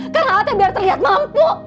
karena hati biar terlihat mampu